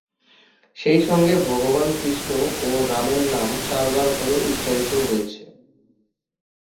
সেই সঙ্গে ভগবান কৃষ্ণ ও রামের নাম চারবার করে উচ্চারিত হয়েছে।